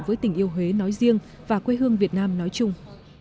với tình yêu huế nói riêng và quê hương việt nam nói chung